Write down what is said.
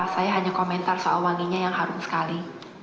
saya hanya komentar soal wanginya yang harum sekali